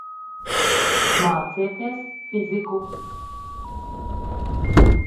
Mācieties fiziku.